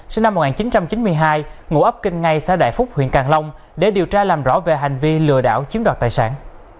sinh năm một nghìn chín trăm chín mươi hai ngũ ấp kinh ngay xã đại phúc huyện càng long để điều tra làm rõ về hành vi lừa đảo chiếm đoạt tài sản